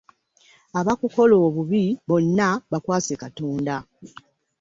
Abakukola obubi bonna bakwase Katonda.